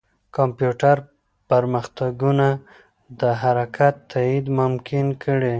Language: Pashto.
کمپیوټر پرمختګونه د حرکت تایید ممکن کړي.